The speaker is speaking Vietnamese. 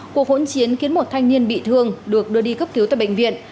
cuộc hỗn chiến khiến một thanh niên bị thương được đưa đi cấp cứu tại bệnh viện